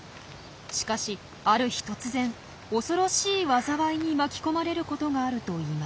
しかしある日突然恐ろしい災いに巻き込まれることがあるといいます。